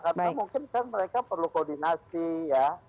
karena mungkin kan mereka perlu koordinasi ya